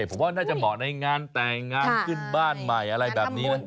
ผมว่าน่าจะเหมาะในงานแต่งงานขึ้นบ้านใหม่อะไรแบบนี้นะ